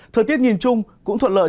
thời tiết nhìn chung cũng thuận lợi